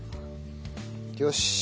よし。